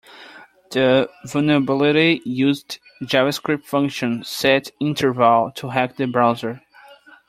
The vulnerability used javascript function setInterval to hack the browser.